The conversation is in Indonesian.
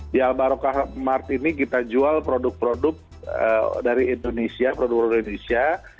di albaro kahmar ini kita jual produk produk dari indonesia